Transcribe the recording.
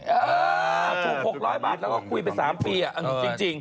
เออถูก๖๐๐บาทแล้วก็คุยไป๓ปีอันนี้จริง